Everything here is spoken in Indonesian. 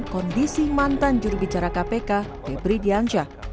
kondisi mantan jurubicara kpk febri diansyah